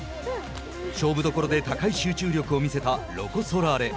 勝負どころで高い集中力を見せたロコ・ソラーレ。